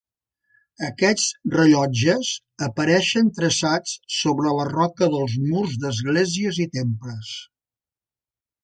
Aquests rellotges apareixen traçats sobre la roca dels murs d'esglésies i temples.